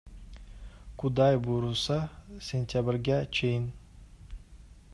Кудай буйруса, сентябрга чейин.